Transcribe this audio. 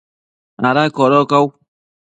¿ ada codocau?